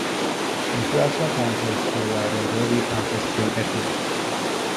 Nebraska Kansas Colorado Railway passes through Atwood.